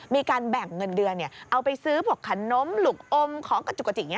มีการแบ่งเงินเดือนเอาไปซื้อพวกขนมหลุกอมของกระจุกจิก